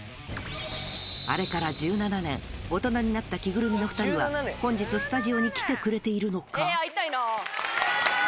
あれから１７年、大人になったキグルミの２人は本日、スタジオに来てくれているの会いたいな。